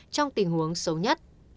trong tình huống xấu nhất